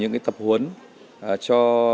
những tập huấn cho